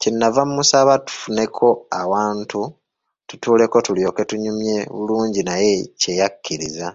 Kye nava mmusaba tufuneko awantu tutuuleko tulyoke tunyumye bulungi naye kye yakkiriza.